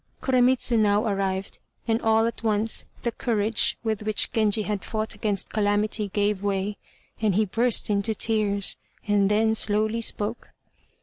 Koremitz now arrived, and all at once the courage with which Genji had fought against calamity gave way, and he burst into tears, and then slowly spoke.